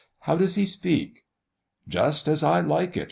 "How does he speak?" "Just as I like it!"